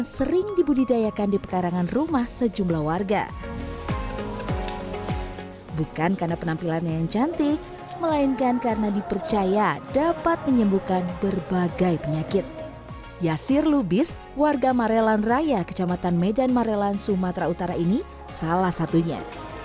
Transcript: sebagai penyakit yasir lubis warga marelan raya kecamatan medan marelan sumatera utara ini salah satunya